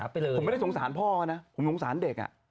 ผมไม่ได้สงสารพ่อนะผมสงสารเด็ก